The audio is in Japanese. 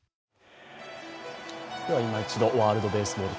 いま一度ワールドベースボール